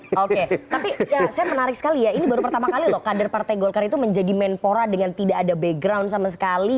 oke tapi saya menarik sekali ya ini baru pertama kali loh kader partai golkar itu menjadi menpora dengan tidak ada background sama sekali